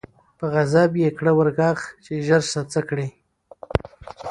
په غضب یې کړه ور ږغ چي ژر سه څه کړې